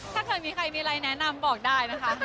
ถ้าเกิดมีใครมีอะไรแนะนำบอกได้นะคะ